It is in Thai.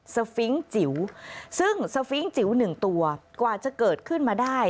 ฟิงค์จิ๋วซึ่งสฟิงค์จิ๋วหนึ่งตัวกว่าจะเกิดขึ้นมาได้